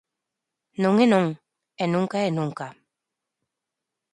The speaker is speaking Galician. Non é non, e nunca é nunca.